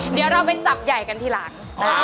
เดี๋ยวเราไปจับใหญ่กันทีหลัง